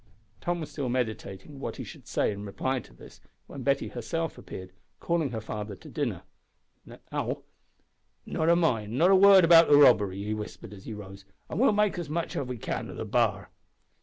Tom was still meditating what he should say in reply to this, when Betty herself appeared, calling her father to dinner. "Now, mind, not a word about the robbery," he whispered as he rose, "and we'll make as much as we can of the b'ar."